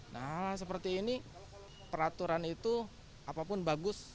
nah seperti ini peraturan itu apapun bagus